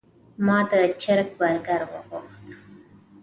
ما د چرګ برګر وغوښت.